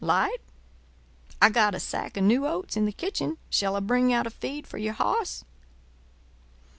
'Light. I've got a sack of new oats in the kitchen—shall I bring out a feed for your hoss?"